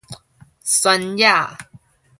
萱野